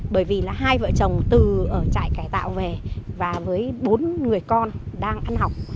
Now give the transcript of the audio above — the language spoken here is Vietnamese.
bởi vì là hai vợ chồng từ ở trại cải tạo về và với bốn người con đang ăn học